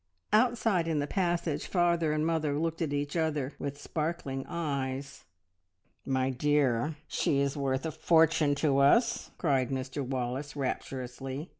Outside in the passage father and mother looked at each other with sparkling eyes. "My dear, she is worth a fortune to us!" cried Mr Wallace rapturously.